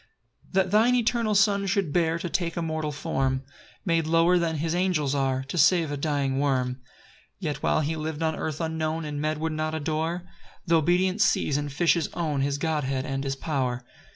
4 That thine eternal Son should bear To take a mortal form, Made lower than his angels are, To save a dying worm! 5 [Yet while he liv'd on earth unknown, And men would not adore, Th' obedient seas and fishes own His Godhead and his power.